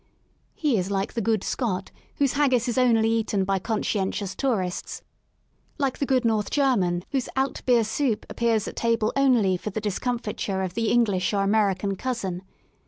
He is like the good Scot whose haggis is only eaten by conscien tious tourists ; like the good North German whose alt iier soup appears at table only for the discomfiture of the English or American cousin.